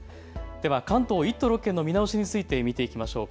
では関東１都６県の見直しについて見ていきましょう。